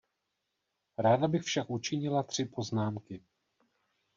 Ráda bych však učinila tři poznámky.